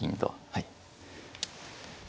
はい。